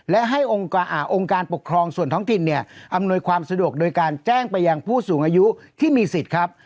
และให้องค์การปกครองส่วนท้องถิ่นเนี่ยอำนวยความสะดวกโดยการแจ้งไปยังผู้สูงอายุที่มีสิทธิ์ครับ